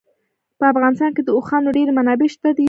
په افغانستان کې د اوښانو ډېرې منابع شته دي.